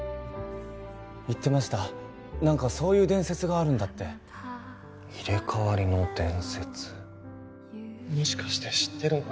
言ってました何かそういう伝説があるんだって入れ替わりの伝説もしかして知ってるの？